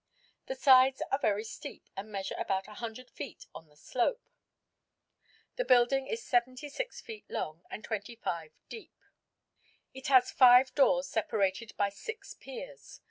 The sides are very steep and measure about 100 feet on the slope. The building is 76 feet long and 25 deep. It has five doors separated by six piers.